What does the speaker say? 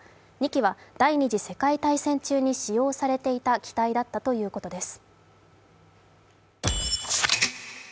２機は第二次世界大戦中に使用されていた機体だったということです。